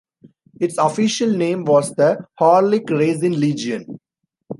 Its official name was the Horlick-Racine Legion.